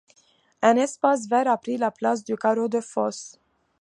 Un espace vert a pris la place du carreau de fosse.